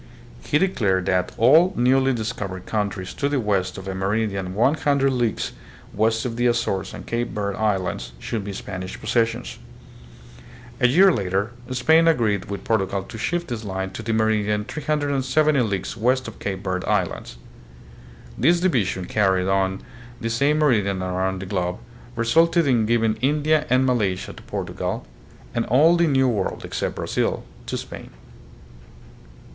He declared that s 85 86 THE PHILIPPINES. all newly discovered countries to the west of a meridian 100 leagues west of the Azores and Cape Verde Islands should be Spanish possessions. A year later Spain agreed with Portugal to shift this line to the meridian 370 leagues west of Cape Verde Islands. This division, carried on the same meridian around the globe, resulted in giving India and Malaysia to Portugal and all the New World, except Brazil, to Spain.